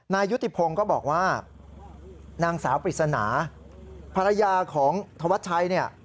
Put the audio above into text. ยุติพงศ์ก็บอกว่านางสาวปริศนาภรรยาของธวัชชัยเนี่ย